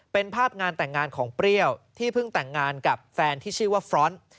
เป็นภาพงานแต่งงานของเปรี้ยวที่เพิ่งแต่งงานกับแฟนที่ชื่อว่าฟรอนด์